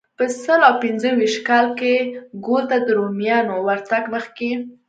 په سل او پنځه ویشت کال کې ګول ته د رومیانو ورتګ مخکې.